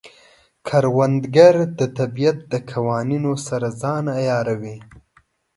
کروندګر د طبیعت د قوانینو سره ځان عیاروي